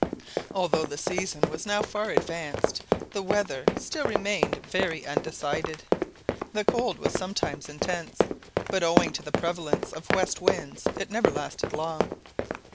Although the season was now far advanced, the weather still remained very undecided. The cold was sometimes intense, but owing to the prevalence of west winds it never lasted long.